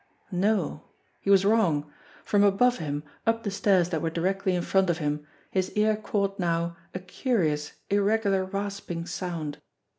No ; he was wrong ! From above him, up the stairs that were directly in front of him, his ear caught now a curious, irregular rasping sound.